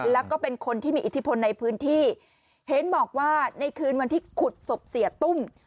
แล้วก็เป็นคนที่มีอิทธิพลในพื้นที่เห็นบอกว่าในคืนวันที่ขุดศพเสียตุ้ม